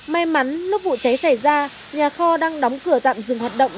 may mắn lúc vụ cháy xảy ra nhà kho đang đóng cửa tạm dừng hoạt động